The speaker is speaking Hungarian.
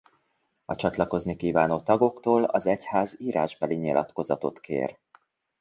A csatlakozni kívánó tagoktól az egyház írásbeli nyilatkozatot kér.